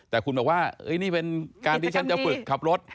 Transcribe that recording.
แต่คุณบอกว่านี่เป็นการที่ฉันจะฝึกขับรถ